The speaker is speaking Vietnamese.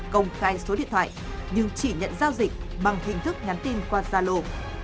công khai số điện thoại nhưng chỉ nhận giao dịch bằng hình thức nhắn tin qua gia lộ